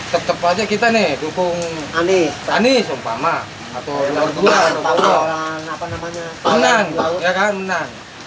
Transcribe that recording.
tetep aja kita nih dukung aneh aneh sumpah mah atau dua duanya apa namanya menang ya kan menang